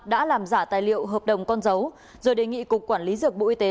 đã làm giả tài liệu hợp đồng con dấu rồi đề nghị cục quản lý dược bộ y tế